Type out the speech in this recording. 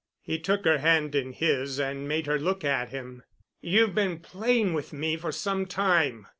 He took her hand in his and made her look at him. "You've been playing with me for some time.